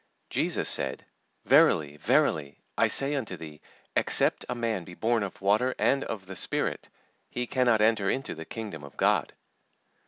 JESUS said, "Verily, verily, I say unto thee, Except a man be born of water and of the Spirit, he cannot enter into the Kingdom of God.